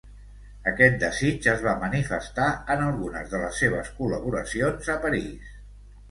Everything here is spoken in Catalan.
Aquest desig es va manifestar en algunes de les seves col·laboracions a París.